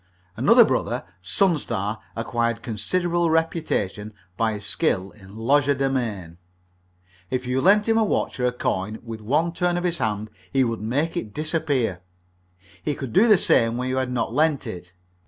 Another brother, Sunstar, acquired considerable reputation by his skill in legerdemain. If you lent him a watch or a coin, with one turn of his hand he would make it disappear; he could do the same thing when you had not lent it.